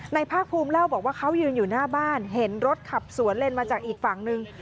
ภาคภูมิเล่าบอกว่าเขายืนอยู่หน้าบ้านเห็นรถขับสวนเลนมาจากอีกฝั่งหนึ่ง